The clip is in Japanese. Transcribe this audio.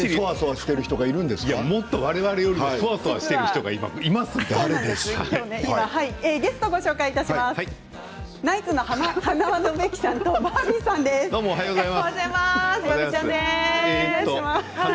もっと我々よりもそわそわしている人がいますから。